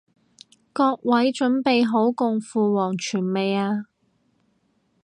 各位準備好共赴黃泉未啊？